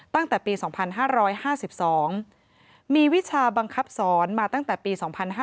ตั้งแต่ปี๒๕๕๒มีวิชาบังคับสอนมาตั้งแต่ปี๒๕๕๙